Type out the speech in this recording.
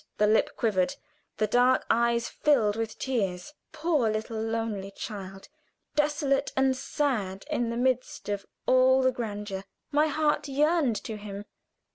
The lip quivered, the dark eyes filled with tears. Poor little lonely child! desolate and sad in the midst of all the grandeur! My heart yearned to him.